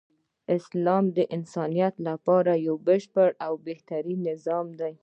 اسلام د انسانیت لپاره یو بشپړ او بهترین نظام دی .